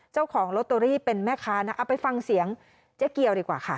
เจ้าของลอตเตอรี่เป็นแม่ค้านะเอาไปฟังเสียงเจ๊เกียวดีกว่าค่ะ